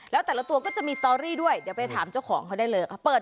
แล้วแต่ละตัวก็จะมีสตอรี่ด้วยเดี๋ยวไปถามเจ้าของเขาได้เลย